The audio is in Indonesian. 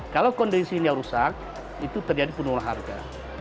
kalau kondisinya rusak itu terjadi penurunan harga